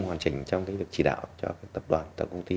hoàn trình trong cái việc chỉ đạo cho tập đoàn tổng công ty